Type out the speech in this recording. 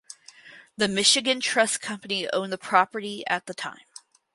The Michigan Trust Company owned the property at the time.